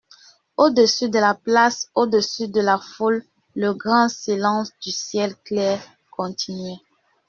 Au-dessus de la place, au-dessus de la foule, le grand silence du ciel clair continuait.